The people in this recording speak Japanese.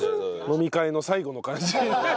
飲み会の最後の感じ。